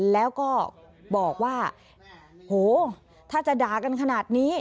แล้วก็บอกว่าโหถ้าจะด่ากันขนาดนี้